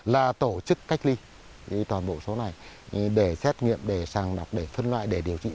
là tổ chức cách ly toàn bộ số này để xét nghiệm để sàng lọc để phân loại để điều trị